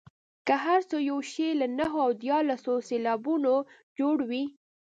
که هر څو یو شعر له نهو او دیارلسو سېلابونو جوړ وي.